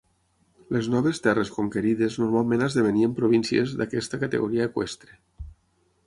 Les noves terres conquerides normalment esdevenien províncies d'aquesta categoria eqüestre.